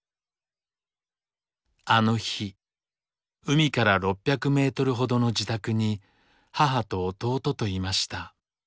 あの日海から６００メートルほどの自宅に母と弟といました。